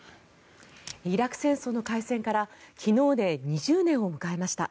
イラク戦争の開戦から昨日で２０年を迎えました。